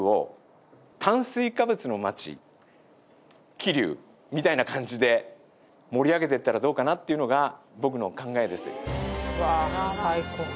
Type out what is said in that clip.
桐生をみたいな感じで盛り上げてったらどうかなっていうのが僕の考えです